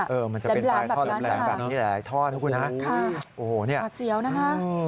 แหลมแหลมแบบนั้นค่ะโอ้โฮนี่หัวเสียวนะคะมันจะเป็นปลายท่อแหลมแหลมกัน